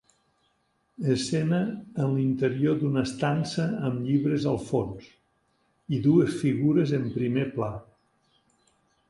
Escena en l'interior d'una estança amb llibres al fons, i dues figures en primer pla.